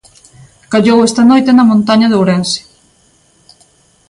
Callou esta noite na montaña de Ourense.